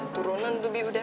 turunan tuh bi udah